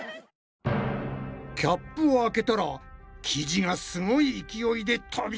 キャップを開けたら生地がすごい勢いで飛び出してきたぞ！